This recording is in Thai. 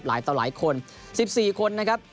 ต่อหลายคน๑๔คนนะครับ